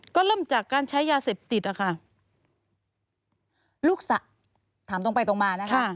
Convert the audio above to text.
ก็เริ่มจากการใช้ยาเสพติดอะค่ะ